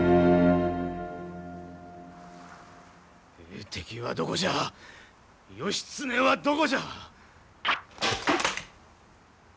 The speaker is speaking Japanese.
ええ敵はどこじゃ義経はどこじゃ！？